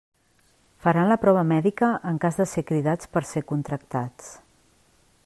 Faran la prova mèdica en cas de ser cridats per ser contractats.